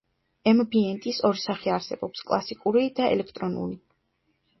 ემბიენტის ორი სახე არსებობს: კლასიკური და ელექტრონული.